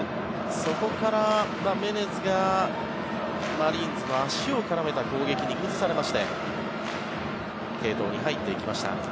そこからメネズがマリーンズの足を絡めた攻撃に崩されまして継投に入っていきました。